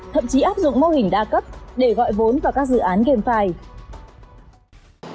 thậm chí áp dụng mô hình đa cấp để gọi vốn vào các dự án game